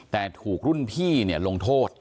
แต่ถูกรุ่นพี่ลงโทษ